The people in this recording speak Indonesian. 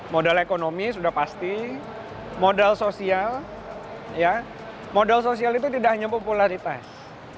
modal ekonomi sudah pasti modal sosial modal sosial itu tidak hanya popularitas